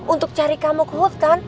untuk cari kamu ke hutan